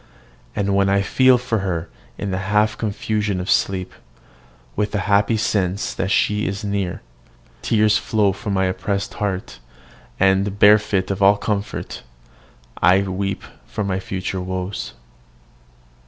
And when I feel for her in the half confusion of sleep, with the happy sense that she is near, tears flow from my oppressed heart; and, bereft of all comfort, I weep over my future woes.